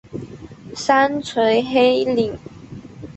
三陲黑岭。